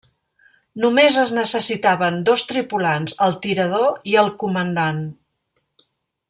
Només es necessitaven dos tripulants, el tirador i el comandant.